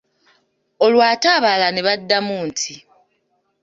Olwo ate abalala ne baddamu nti